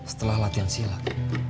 setelah latihan silat